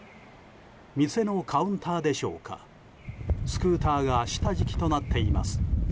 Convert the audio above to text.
店のカウンターでしょうかスクーターが下敷きとなっています。